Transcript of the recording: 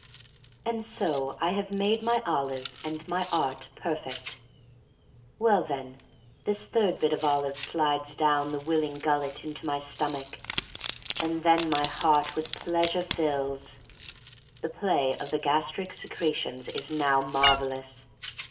And so I have made my olive and m> art perfect. Well, then, this third bit of olive slides down the willing gullet into my stomach. "And then my heart with pleasure fills." The play of the gastric secretions is now marvelous.